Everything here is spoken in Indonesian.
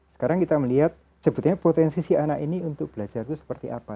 sekarang kita melihat sebetulnya potensi si anak ini untuk belajar itu seperti apa